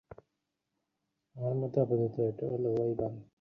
আমার মতে আপাতত ওটা লওয়াই ভাল।